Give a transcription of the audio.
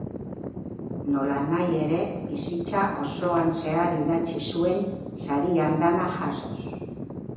Nolanahi ere, bizitza osoan zehar idatzi zuen, sari andana jasoz.